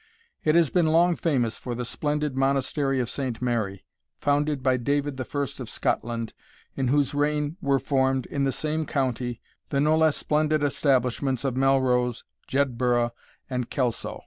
It has been long famous for the splendid Monastery of Saint Mary, founded by David the First of Scotland, in whose reign were formed, in the same county, the no less splendid establishments of Melrose, Jedburgh, and Kelso.